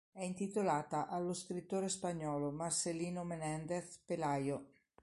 È intitolata allo scrittore spagnolo Marcelino Menéndez Pelayo.